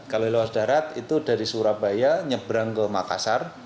kalau lewat darat itu dari surabaya nyebrang ke makassar